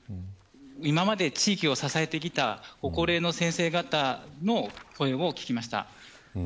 今まで地域を支えてきたご高齢の先生方の声を聞きました。